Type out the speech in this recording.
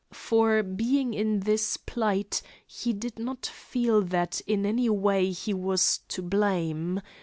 For being in this plight he did not feel that in any way he was to blame.